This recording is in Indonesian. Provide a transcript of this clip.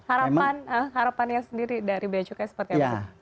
harapan harapannya sendiri dari becukai seperti apa pak